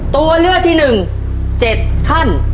ตัวเลือกที่๑๗ท่าน